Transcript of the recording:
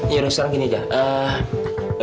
yaudah sekarang gini aja